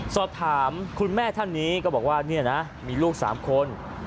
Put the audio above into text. สอบถามคุณแม่ท่านนี้ก็บอกว่าเนี่ยนะมีลูก๓คน